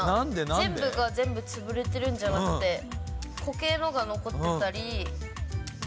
全部が全部、潰れてるんじゃなくて、固形のが残ってたり。